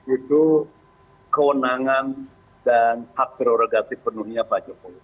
itu kewenangan dan aktor oregatif penuhnya pak jokowi